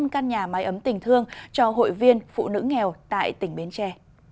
năm căn nhà máy ấm tình thương cho hội viên phụ nữ nghèo tại tỉnh bến tre